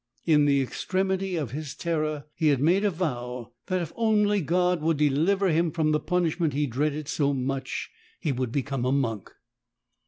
In the ex tremity of his terror he had made a vow that if only God would deliver him from the punishment he dreaded so much, he would become a monk.